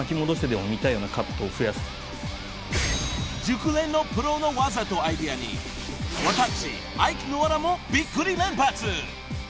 ［熟練のプロの技とアイデアに私アイクぬわらもびっくり連発］